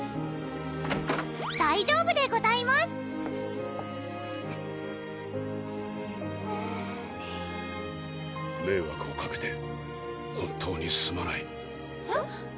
大丈夫でございます迷惑をかけて本当にすまないえっ？